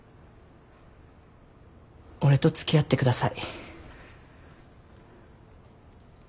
俺とつきあってください。